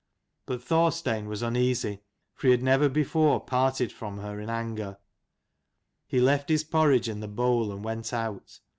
But Thorstein was uneasy, for he had never before parted from her in anger. He left his porridge in the bowl and went out.